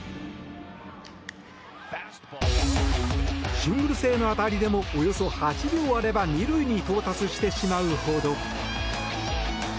シングル性の当たりでもおよそ８秒あれば２塁に到達してしまうほど。